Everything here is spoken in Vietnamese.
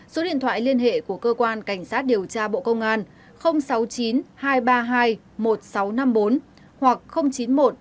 số điện thoại liên hệ của cơ quan cảnh sát điều tra bộ công an sáu mươi chín hai trăm ba mươi hai một nghìn sáu trăm năm mươi bốn hoặc chín mươi một sáu trăm bảy mươi bảy bảy nghìn bảy trăm sáu mươi bảy